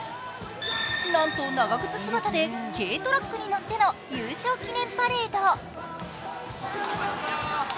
なんと長靴姿で軽トラックに乗っての優勝記念パレード。